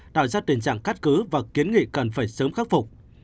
tạo ra tình trạng cắt cứ và kiến nghị cần phải sớm khắc phục